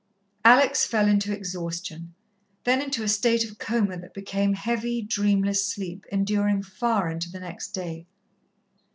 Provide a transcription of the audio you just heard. Alex fell into exhaustion, then into a state of coma that became heavy, dreamless sleep enduring far into the next day.